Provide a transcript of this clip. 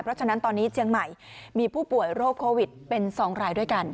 เพราะฉะนั้นตอนนี้เชียงใหม่มีผู้ป่วยโรคโควิดเป็น๒รายด้วยกัน